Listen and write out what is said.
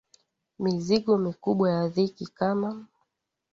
Mizigo mikubwa ya dhiki kama